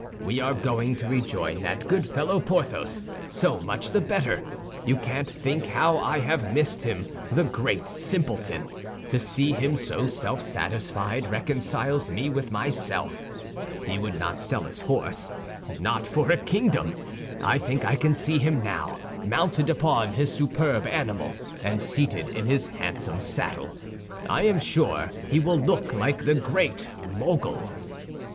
We are going to rejoin that good fellow, Porthos. So much the better. You can't think how I have missed him, the great simpleton. To see him so self satisfied reconciles me with myself. He would not sell his horse; not for a kingdom! I think I can see him now, mounted upon his superb animal and seated in his handsome saddle. I am sure he will look like the Great Mogul!"